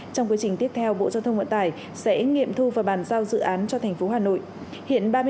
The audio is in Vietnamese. trong quy trình tiếp theo bộ giao thông vận tải sẽ nghiệm thu và bàn giao dự án cho thành phố hà nội